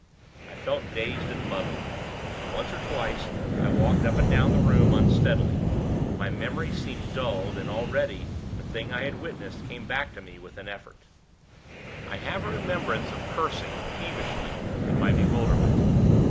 I felt dazed and muddled. Once or twice, I walked up and down the room, unsteadily. My memory seemed dulled, and, already, the thing I had witnessed came back to me with an effort. I have a remembrance of cursing, peevishly, in my bewilderment.